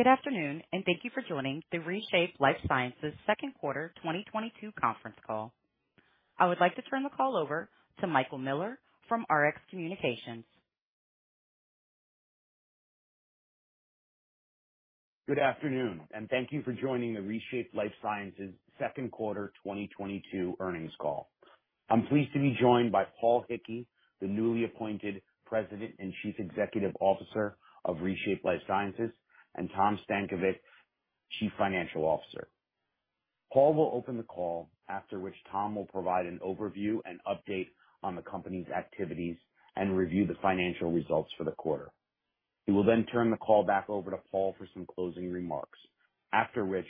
Good afternoon, and thank you for joining the ReShape Lifesciences second quarter 2022 conference call. I would like to turn the call over to Michael Miller from RX Communications. Good afternoon, and thank you for joining the ReShape Lifesciences second quarter 2022 earnings call. I'm pleased to be joined by Paul Hickey, the newly appointed President and Chief Executive Officer of ReShape Lifesciences, and Tom Stankovich, Chief Financial Officer. Paul will open the call, after which Tom will provide an overview and update on the company's activities and review the financial results for the quarter. He will then turn the call back over to Paul for some closing remarks, after which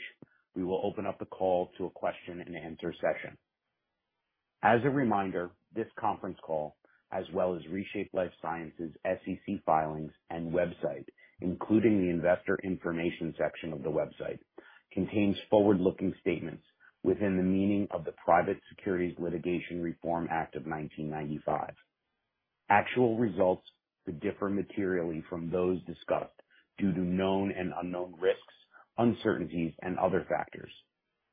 we will open up the call to a question-and-answer session. As a reminder, this conference call, as well as ReShape Lifesciences SEC filings and website, including the investor information section of the website, contains forward-looking statements within the meaning of the Private Securities Litigation Reform Act of 1995. Actual results could differ materially from those discussed due to known and unknown risks, uncertainties, and other factors.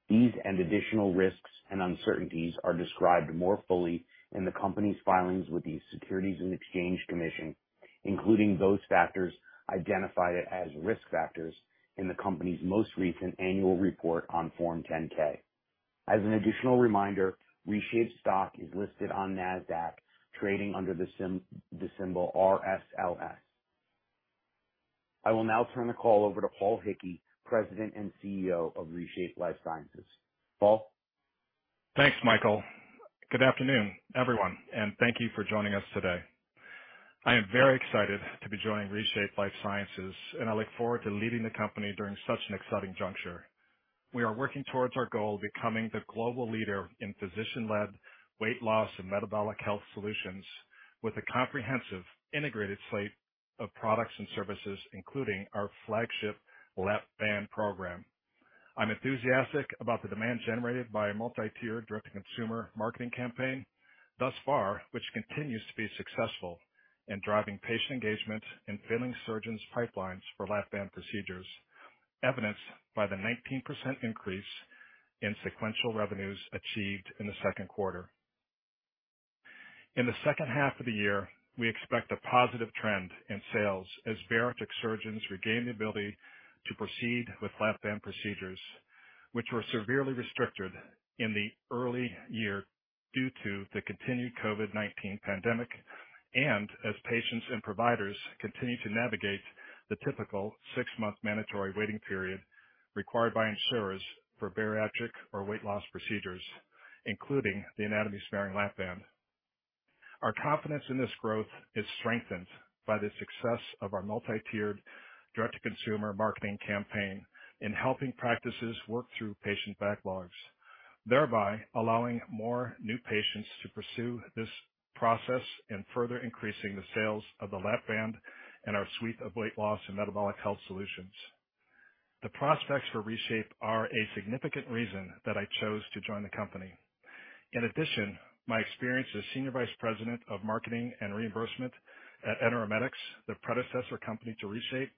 These and additional risks and uncertainties are described more fully in the company's filings with the Securities and Exchange Commission, including those factors identified as risk factors in the company's most recent annual report on Form 10-K. As an additional reminder, ReShape stock is listed on Nasdaq trading under the symbol RSLS. I will now turn the call over to Paul Hickey, President and CEO of ReShape Lifesciences. Paul. Thanks, Michael. Good afternoon, everyone, and thank you for joining us today. I am very excited to be joining ReShape Lifesciences, and I look forward to leading the company during such an exciting juncture. We are working towards our goal of becoming the global leader in physician-led weight loss and metabolic health solutions with a comprehensive integrated slate of products and services, including our flagship Lap-Band program. I'm enthusiastic about the demand generated by a multi-tiered direct-to-consumer marketing campaign thus far, which continues to be successful in driving patient engagement and filling surgeons' pipelines for Lap-Band procedures, evidenced by the 19% increase in sequential revenues achieved in the second quarter. In the second half of the year, we expect a positive trend in sales as bariatric surgeons regain the ability to proceed with Lap-Band procedures, which were severely restricted in the early year due to the continued COVID-19 pandemic and as patients and providers continue to navigate the typical six-month mandatory waiting period required by insurers for bariatric or weight loss procedures, including the anatomy-sparing Lap-Band. Our confidence in this growth is strengthened by the success of our multi-tiered direct-to-consumer marketing campaign in helping practices work through patient backlogs, thereby allowing more new patients to pursue this process and further increasing the sales of the Lap-Band and our suite of weight loss and metabolic health solutions. The prospects for ReShape are a significant reason that I chose to join the company. In addition, my experience as Senior Vice President of Marketing and Reimbursement at EnteroMedics, the predecessor company to ReShape,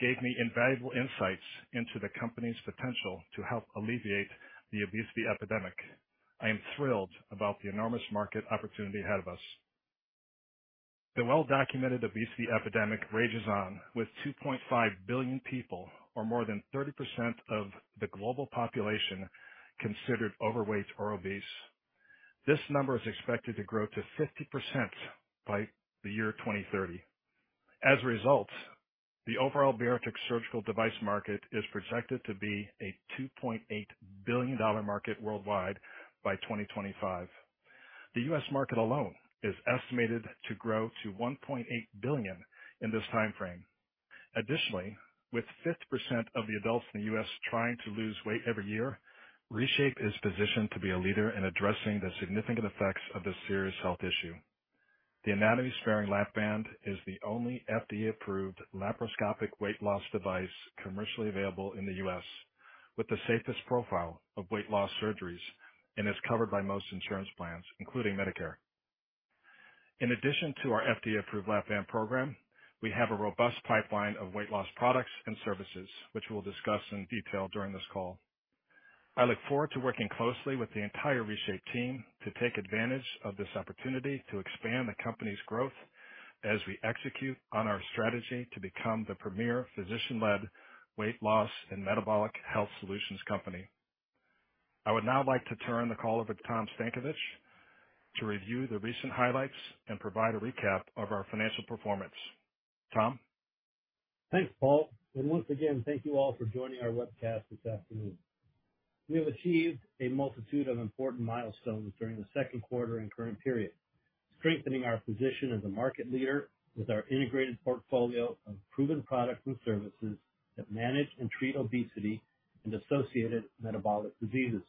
gave me invaluable insights into the company's potential to help alleviate the obesity epidemic. I am thrilled about the enormous market opportunity ahead of us. The well-documented obesity epidemic rages on, with 2.5 billion people or more than 30% of the global population considered overweight or obese. This number is expected to grow to 50% by 2030. As a result, the overall bariatric surgical device market is projected to be a $2.8 billion market worldwide by 2025. The U.S. market alone is estimated to grow to $1.8 billion in this time frame. Additionally, with 50% of the adults in the U.S. trying to lose weight every year, ReShape is positioned to be a leader in addressing the significant effects of this serious health issue. The anatomy-sparing Lap-Band is the only FDA-approved laparoscopic weight loss device commercially available in the U.S., with the safest profile of weight loss surgeries and is covered by most insurance plans, including Medicare. In addition to our FDA-approved Lap-Band program, we have a robust pipeline of weight loss products and services, which we'll discuss in detail during this call. I look forward to working closely with the entire ReShape team to take advantage of this opportunity to expand the company's growth as we execute on our strategy to become the premier physician-led weight loss and metabolic health solutions company. I would now like to turn the call over to Thomas Stankovich to review the recent highlights and provide a recap of our financial performance. Tom. Thanks, Paul. Once again, thank you all for joining our webcast this afternoon. We have achieved a multitude of important milestones during the second quarter and current period, strengthening our position as a market leader with our integrated portfolio of proven products and services that manage and treat obesity and associated metabolic diseases.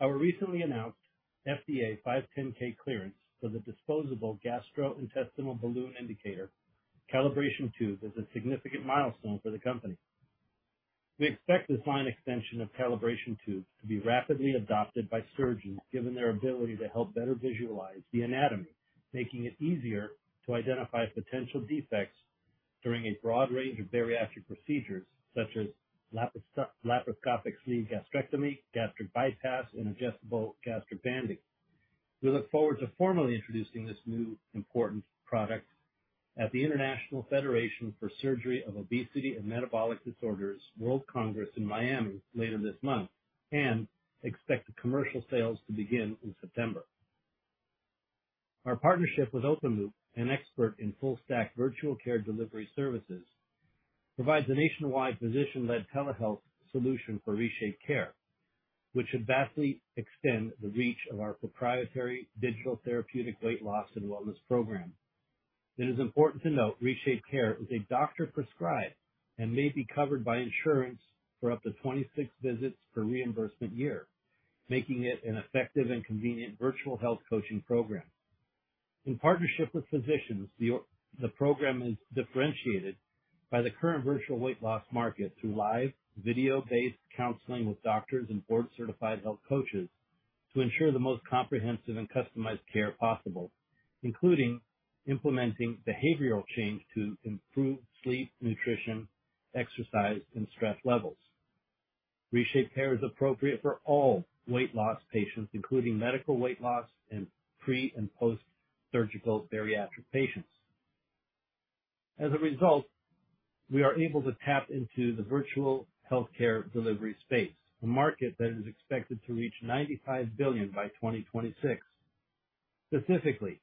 Our recently announced FDA 510(k) clearance for the disposable Gastroesophageal Balloon Indicator calibration tube is a significant milestone for the company. We expect this line extension of calibration tubes to be rapidly adopted by surgeons, given their ability to help better visualize the anatomy, making it easier to identify potential defects during a broad range of bariatric procedures such as laparoscopic sleeve gastrectomy, gastric bypass, and adjustable gastric banding. We look forward to formally introducing this new important product at the International Federation for the Surgery of Obesity and Metabolic Disorders World Congress in Miami later this month, and expect the commercial sales to begin in September. Our partnership with Optum Loop, an expert in full stack virtual care delivery services, provides a nationwide physician-led telehealth solution for ReShapeCare, which should vastly extend the reach of our proprietary digital therapeutic weight loss and wellness program. It is important to note ReShapeCare is a doctor-prescribed and may be covered by insurance for up to 26 visits per reimbursement year, making it an effective and convenient virtual health coaching program. In partnership with physicians, the program is differentiated by the current virtual weight loss market through live video-based counseling with doctors and board-certified health coaches to ensure the most comprehensive and customized care possible, including implementing behavioral change to improve sleep, nutrition, exercise, and stress levels. ReShapeCare is appropriate for all weight loss patients, including medical weight loss and pre and post-surgical bariatric patients. As a result, we are able to tap into the virtual healthcare delivery space, a market that is expected to reach $95 billion by 2026. Specifically,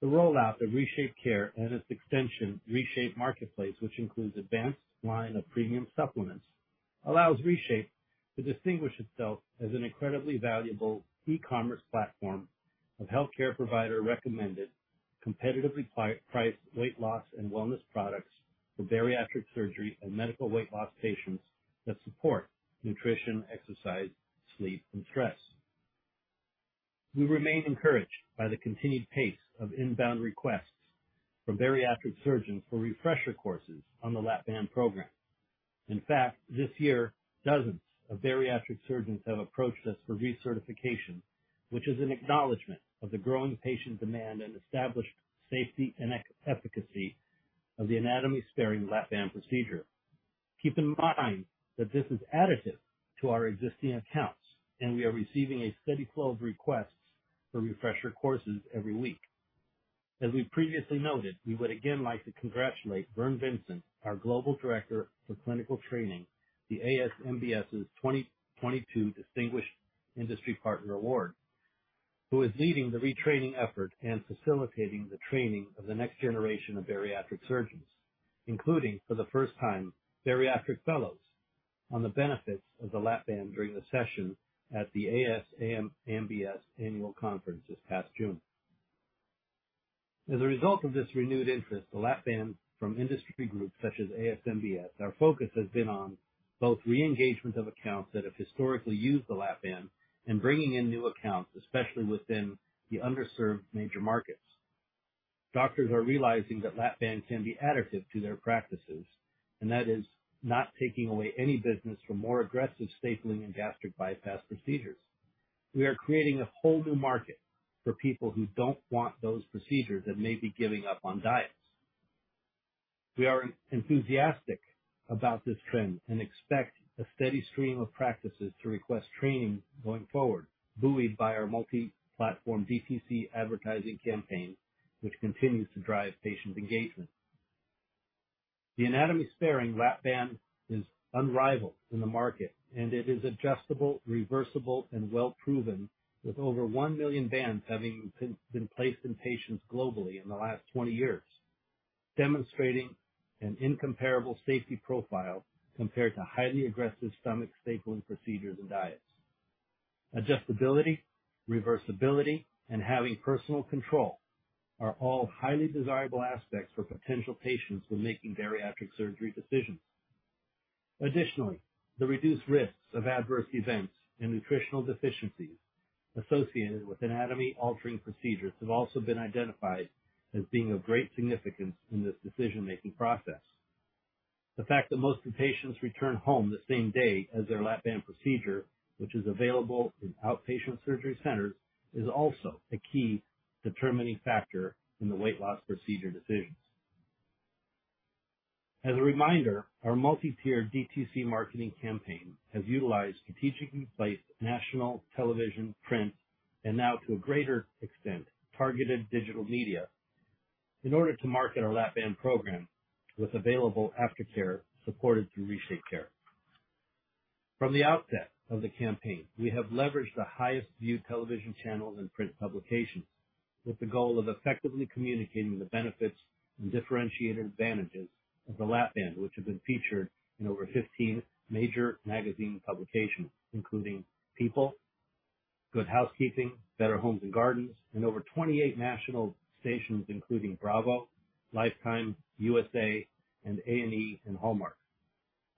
the rollout of ReShapeCare and its extension, ReShape Marketplace, which includes advanced line of premium supplements, allows ReShape to distinguish itself as an incredibly valuable e-commerce platform of healthcare provider recommended, competitively priced weight loss and wellness products for bariatric surgery and medical weight loss patients that support nutrition, exercise, sleep and stress. We remain encouraged by the continued pace of inbound requests from bariatric surgeons for refresher courses on the Lap-Band program. In fact, this year, dozens of bariatric surgeons have approached us for recertification, which is an acknowledgement of the growing patient demand and established safety and efficacy of the anatomy-sparing Lap-Band procedure. Keep in mind that this is additive to our existing accounts, and we are receiving a steady flow of requests for refresher courses every week. As we previously noted, we would again like to congratulate Barton P. Bandy, our Global Director for Clinical Training, the ASMBS's 2022 Distinguished Industry Partner Award, who is leading the retraining effort and facilitating the training of the next generation of bariatric surgeons, including, for the first time, bariatric fellows on the benefits of the Lap-Band during the session at the ASMBS annual conference this past June. As a result of this renewed interest, the Lap-Band from industry groups such as ASMBS, our focus has been on both re-engagement of accounts that have historically used the Lap-Band and bringing in new accounts, especially within the underserved major markets. Doctors are realizing that Lap-Band can be additive to their practices, and that is not taking away any business from more aggressive stapling and gastric bypass procedures. We are creating a whole new market for people who don't want those procedures and may be giving up on diets. We are enthusiastic about this trend and expect a steady stream of practices to request training going forward, buoyed by our multi-platform DTC advertising campaign, which continues to drive patient engagement. The anatomy-sparing Lap-Band is unrivaled in the market, and it is adjustable, reversible, and well proven, with over one million bands having been placed in patients globally in the last 20 years, demonstrating an incomparable safety profile compared to highly aggressive stomach stapling procedures and diets. Adjustability, reversibility, and having personal control are all highly desirable aspects for potential patients when making bariatric surgery decisions. Additionally, the reduced risks of adverse events and nutritional deficiencies associated with anatomy altering procedures have also been identified as being of great significance in this decision-making process. The fact that most patients return home the same day as their Lap-Band procedure, which is available in outpatient surgery centers, is also a key determining factor in the weight loss procedure decisions. As a reminder, our multi-tiered DTC marketing campaign has utilized strategically placed national television, print, and now to a greater extent, targeted digital media in order to market our Lap-Band program with available aftercare supported through ReShapeCare. From the outset of the campaign, we have leveraged the highest viewed television channels and print publications with the goal of effectively communicating the benefits and differentiated advantages of the Lap-Band, which have been featured in over 15 major magazine publications, including People, Good Housekeeping, Better Homes and Gardens, and over 28 national stations including Bravo, Lifetime, USA and A&E and Hallmark,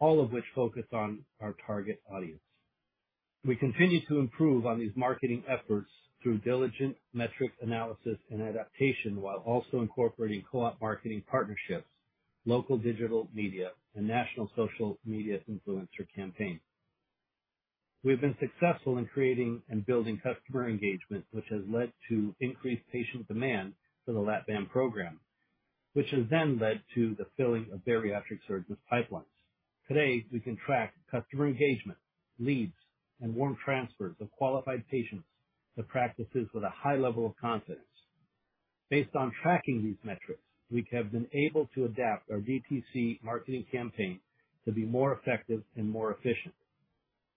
all of which focus on our target audience. We continue to improve on these marketing efforts through diligent metric analysis and adaptation, while also incorporating co-op marketing partnerships, local digital media, and national social media influencer campaigns. We've been successful in creating and building customer engagement, which has led to increased patient demand for the Lap-Band program, which has then led to the filling of bariatric surgeons' pipelines. Today, we can track customer engagement, leads, and warm transfers of qualified patients to practices with a high level of confidence. Based on tracking these metrics, we have been able to adapt our DTC marketing campaign to be more effective and more efficient.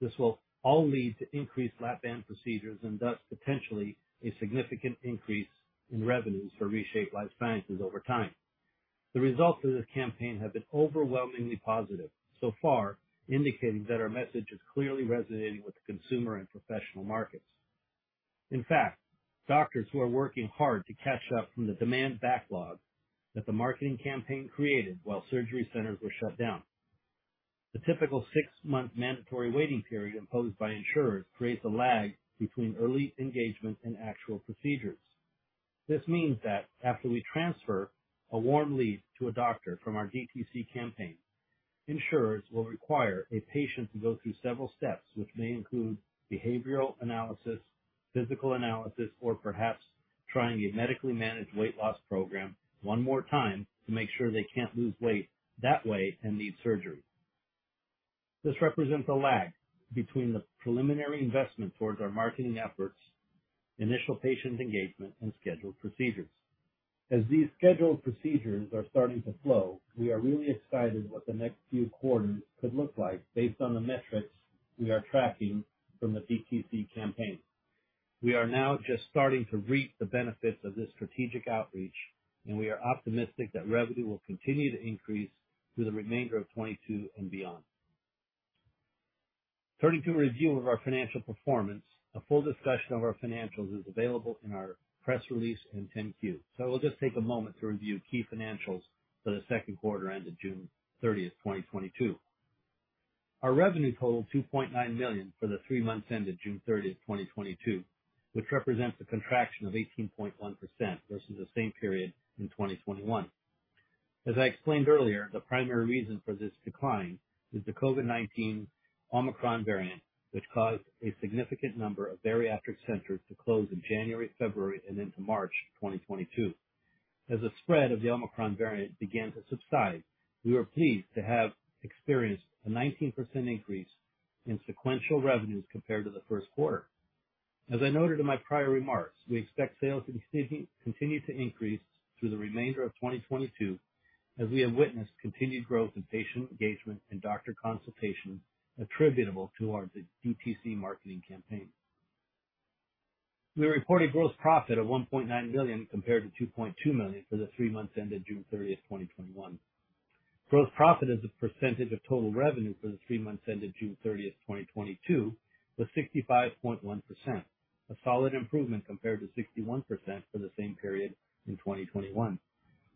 This will all lead to increased Lap-Band procedures and thus potentially a significant increase in revenues for ReShape Lifesciences over time. The results of this campaign have been overwhelmingly positive so far, indicating that our message is clearly resonating with the consumer and professional markets. In fact, doctors who are working hard to catch up from the demand backlog that the marketing campaign created while surgery centers were shut down. The typical six-month mandatory waiting period imposed by insurers creates a lag between early engagement and actual procedures. This means that after we transfer a warm lead to a doctor from our DTC campaign, insurers will require a patient to go through several steps, which may include behavioral analysis, physical analysis, or perhaps trying a medically managed weight loss program one more time to make sure they can't lose weight that way and need surgery. This represents a lag between the preliminary investment towards our marketing efforts, initial patient engagement, and scheduled procedures. As these scheduled procedures are starting to flow, we are really excited what the next few quarters could look like based on the metrics we are tracking from the DTC campaign. We are now just starting to reap the benefits of this strategic outreach, and we are optimistic that revenue will continue to increase through the remainder of 2022 and beyond. Turning to a review of our financial performance. A full discussion of our financials is available in our press release and 10-Q, so I will just take a moment to review key financials for the second quarter ended June 30, 2022. Our revenue totaled $2.9 million for the three months ended June 30, 2022, which represents a contraction of 18.1% versus the same period in 2021. As I explained earlier, the primary reason for this decline is the COVID-19 Omicron variant, which caused a significant number of bariatric centers to close in January, February, and into March 2022. As the spread of the Omicron variant began to subside, we were pleased to have experienced a 19% increase in sequential revenues compared to the first quarter. As I noted in my prior remarks, we expect sales to continue to increase through the remainder of 2022 as we have witnessed continued growth in patient engagement and doctor consultations attributable to our DTC marketing campaign. We reported gross profit of $1.9 million compared to $2.2 million for the three months ended June 30, 2021. Gross profit as a percentage of total revenue for the three months ended June 30, 2022 was 65.1%. A solid improvement compared to 61% for the same period in 2021.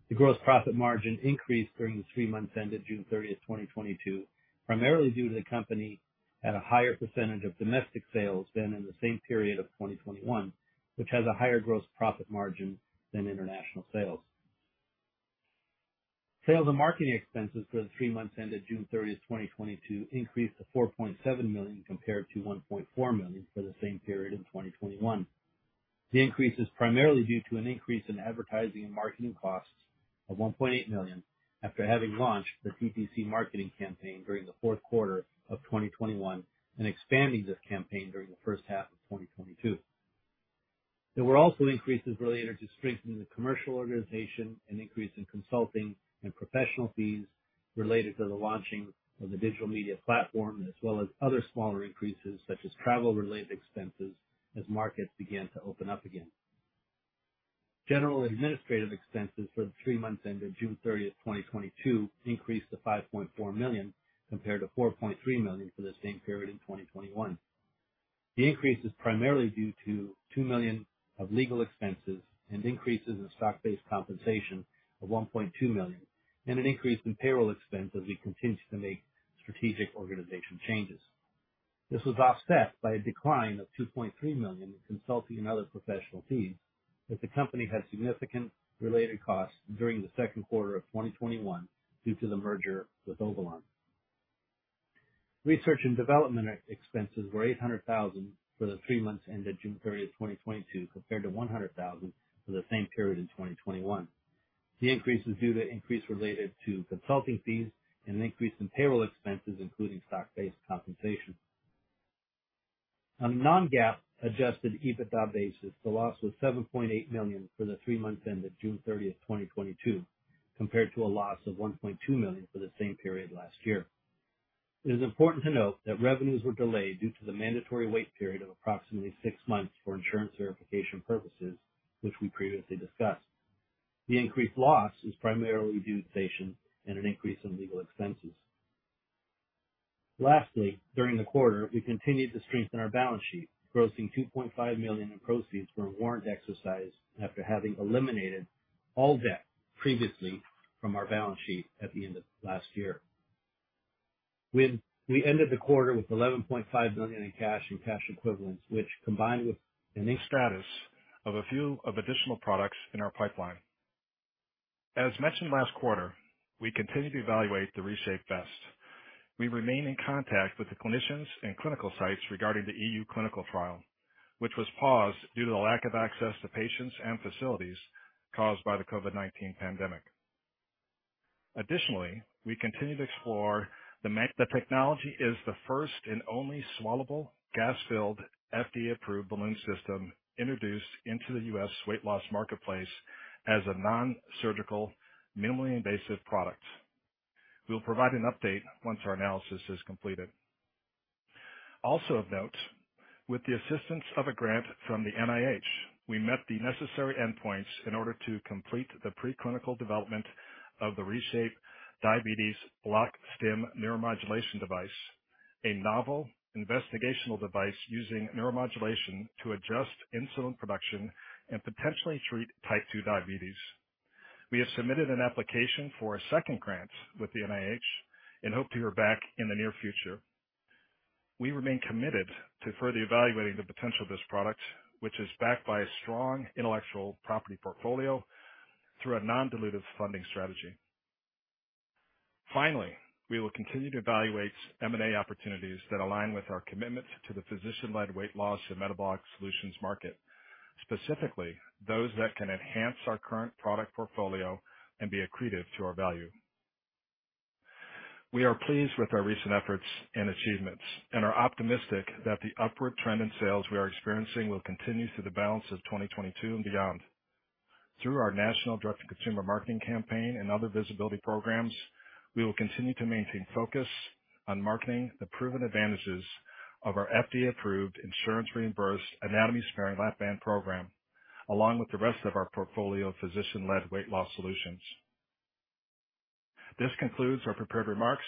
The gross profit margin increased during the three months ended June 30, 2022, primarily due to a higher percentage of domestic sales than in the same period of 2021, which has a higher gross profit margin than international sales. Sales and marketing expenses for the three months ended June 30, 2022 increased to $4.7 million, compared to $1.4 million for the same period in 2021. The increase is primarily due to an increase in advertising and marketing costs of $1.8 million after having launched the DTC marketing campaign during the fourth quarter of 2021 and expanding this campaign during the first half of 2022. There were also increases related to strengthening the commercial organization and increase in consulting and professional fees related to the launching of the digital media platform, as well as other smaller increases such as travel-related expenses as markets began to open up again. General administrative expenses for the three months ended June 30, 2022 increased to $5.4 million, compared to $4.3 million for the same period in 2021. The increase is primarily due to $2 million of legal expenses and increases in stock-based compensation of $1.2 million and an increase in payroll expense as we continue to make strategic organization changes. This was offset by a decline of $2.3 million in consulting and other professional fees, as the company had significant related costs during the second quarter of 2021 due to the merger with Obalon. Research and development expenses were $800,000 for the three months ended June 30, 2022, compared to $100,000 for the same period in 2021. The increase was due to increase related to consulting fees and an increase in payroll expenses, including stock-based compensation. On a non-GAAP adjusted EBITDA basis, the loss was $7.8 million for the three months ended June 30, 2022, compared to a loss of $1.2 million for the same period last year. It is important to note that revenues were delayed due to the mandatory wait period of approximately six months for insurance verification purposes, which we previously discussed. The increased loss is primarily due to patient and an increase in legal expenses. Lastly, during the quarter, we continued to strengthen our balance sheet, grossing $2.5 million in proceeds from warrant exercise after having eliminated All debt previously from our balance sheet at the end of last year. We ended the quarter with $11.5 million in cash and cash equivalents, which combined with the new status of a few of additional products in our pipeline. As mentioned last quarter, we continue to evaluate the ReShape Vest. We remain in contact with the clinicians and clinical sites regarding the E.U. clinical trial, which was paused due to the lack of access to patients and facilities caused by the COVID-19 pandemic. Additionally, we continue to explore. The technology is the first and only swallowable gas-filled FDA-approved balloon system introduced into the U.S. weight loss marketplace as a non-surgical, minimally invasive product. We'll provide an update once our analysis is completed. Also of note, with the assistance of a grant from the NIH, we met the necessary endpoints in order to complete the preclinical development of the ReShape Diabetes Bloc-Stim Neuromodulation device, a novel investigational device using neuromodulation to adjust insulin production and potentially treat type 2 diabetes. We have submitted an application for a second grant with the NIH and hope to hear back in the near future. We remain committed to further evaluating the potential of this product, which is backed by a strong intellectual property portfolio through a non-dilutive funding strategy. Finally, we will continue to evaluate M&A opportunities that align with our commitment to the physician-led weight loss and metabolic solutions market, specifically those that can enhance our current product portfolio and be accretive to our value. We are pleased with our recent efforts and achievements and are optimistic that the upward trend in sales we are experiencing will continue through the balance of 2022 and beyond. Through our national direct to consumer marketing campaign and other visibility programs, we will continue to maintain focus on marketing the proven advantages of our FDA-approved insurance reimbursed anatomy sparing Lap-Band program, along with the rest of our portfolio of physician-led weight loss solutions. This concludes our prepared remarks.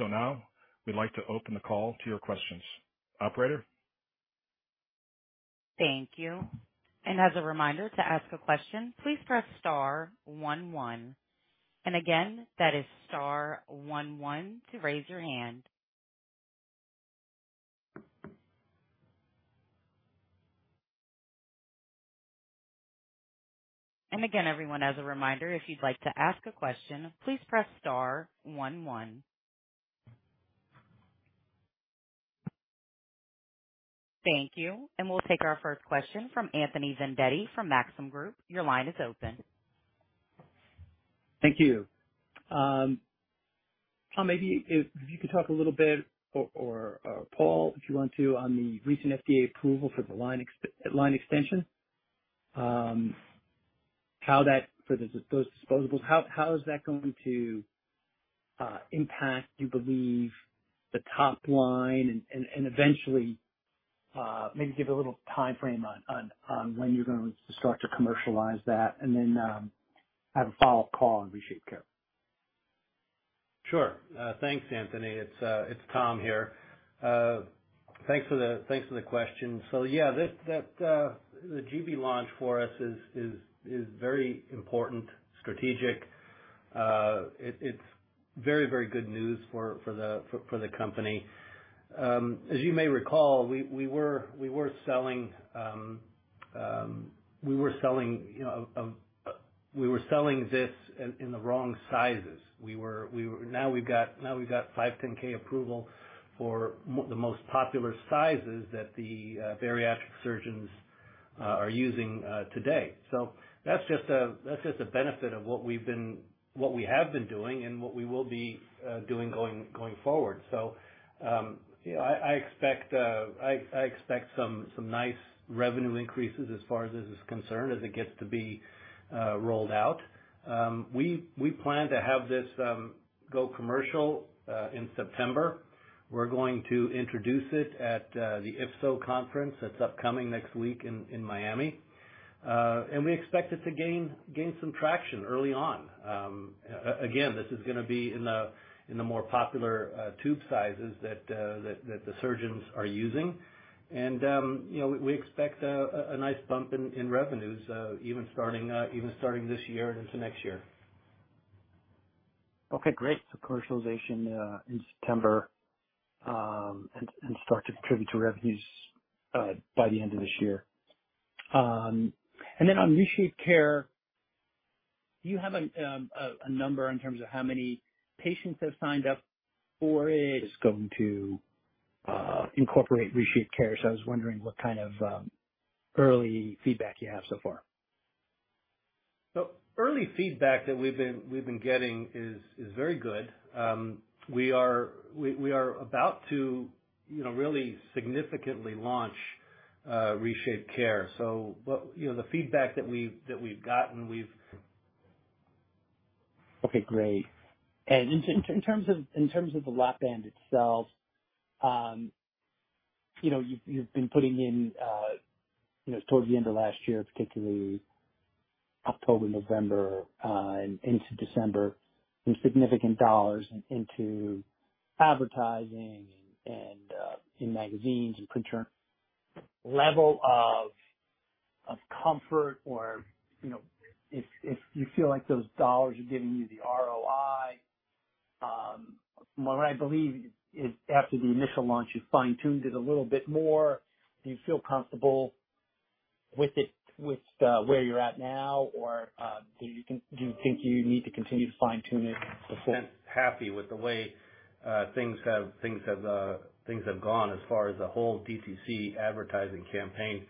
Now we'd like to open the call to your questions. Operator? Thank you. As a reminder, to ask a question, please press star one one. Again, that is star one one to raise your hand. Again, everyone, as a reminder, if you'd like to ask a question, please press star one one. Thank you. We'll take our first question from Anthony Vendetti from Maxim Group. Your line is open. Thank you. Tom, maybe if you could talk a little bit or Paul, if you want to, on the recent FDA approval for the Lap-Band line extension, how that for those disposables is going to impact, you believe, the top line and eventually maybe give a little timeframe on when you're going to start to commercialize that and then have a follow-up call on ReShapeCare. Sure. Thanks, Anthony. It's Tom here. Thanks for the question. Yeah, the GB launch for us is very important, strategic. It's very good news for the company. As you may recall, we were selling, you know, we were selling this in the wrong sizes. Now we've got 510(k) approval for the most popular sizes that the bariatric surgeons are using today. That's just a benefit of what we've been doing and what we will be doing going forward. You know, I expect some nice revenue increases as far as this is concerned, as it gets to be rolled out. We plan to have this go commercial in September. We're going to introduce it at the IFSO conference that's upcoming next week in Miami. We expect it to gain some traction early on. Again, this is gonna be in the more popular tube sizes that the surgeons are using. You know, we expect a nice bump in revenues even starting this year and into next year. Okay, great. Commercialization in September, and start to contribute to revenues by the end of this year. On ReShapeCare, do you have a number in terms of how many patients have signed up for it? It's going to incorporate ReShapeCare. I was wondering what kind of early feedback you have so far. The early feedback that we've been getting is very good. We are about to, you know, really significantly launch ReShapeCare. You know, the feedback that we've gotten, we've Okay, great. In terms of the Lap-Band itself, you know, you've been putting in, you know, towards the end of last year, particularly October, November, and into December, in significant dollars into advertising and in magazines and print. Level of comfort or, you know, if you feel like those dollars are giving you the ROI. From what I believe is after the initial launch, you fine-tuned it a little bit more. Do you feel comfortable with it, with where you're at now? Or do you think you need to continue to fine-tune it. Happy with the way things have gone as far as the whole DTC advertising campaign.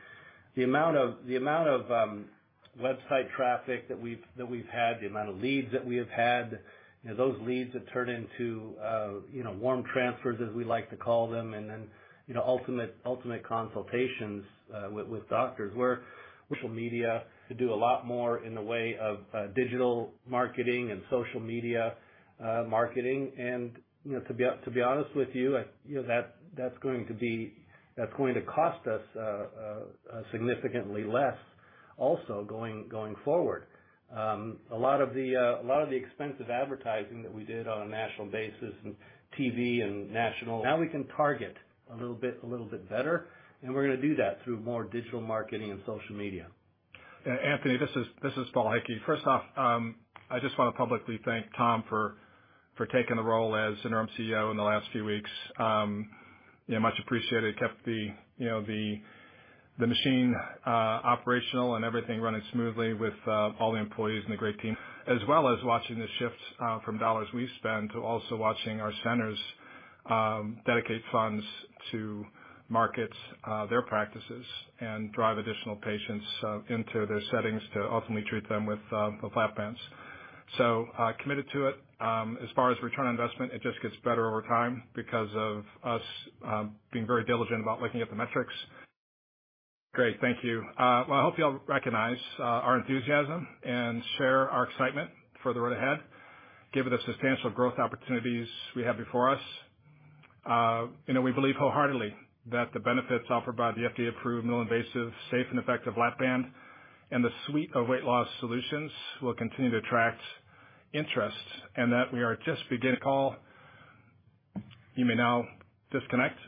The amount of website traffic that we've had, the amount of leads that we have had, you know, those leads have turned into you know warm transfers as we like to call them, and then you know ultimate consultations with doctors. We are using social media to do a lot more in the way of digital marketing and social media marketing. To be honest with you know, that's going to cost us significantly less also going forward. A lot of the expensive advertising that we did on a national basis and TV and national. Now we can target a little bit better, and we're gonna do that through more digital marketing and social media. Yeah, Anthony, this is Paul Hickey. First off, I just wanna publicly thank Tom for taking the role as interim CEO in the last few weeks. You know, much appreciated. Kept, you know, the machine operational and everything running smoothly with all the employees and the great team. As well as watching the shifts from dollars we spend to also watching our centers dedicate funds to market their practices and drive additional patients into their settings to ultimately treat them with Lap-Bands. So, committed to it. As far as return on investment, it just gets better over time because of us being very diligent about looking at the metrics. Great. Thank you. I hope you all recognize our enthusiasm and share our excitement for the road ahead, given the substantial growth opportunities we have before us. You know, we believe wholeheartedly that the benefits offered by the FDA-approved, minimally invasive, safe and effective Lap-Band and the suite of weight loss solutions will continue to attract interest and that we are just beginning. You may now disconnect.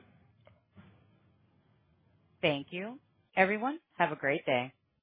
Thank you. Everyone, have a great day.